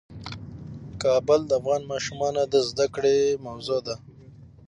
کابل د افغان ماشومانو د زده کړې موضوع ده.